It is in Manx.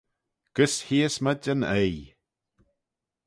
Gys heeys mayd yn oaie.